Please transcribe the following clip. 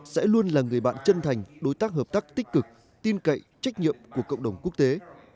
sẽ luôn là người bạn chân thành đối tác hợp tác tích cực tin cậy trách nhiệm của cộng đồng quốc tế